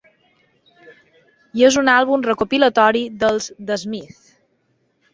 I és un àlbum recopilatori dels The Smiths.